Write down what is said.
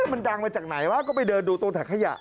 มันดังมาจากไหนวะก็ไปเดินดูตรงถังขยะ